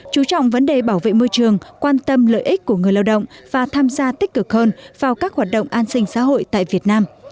chú trọng vấn đề bảo vệ môi trường quan tâm lợi ích của người lao động và tham gia tích cực hơn vào các hoạt động an sinh xã hội tại việt nam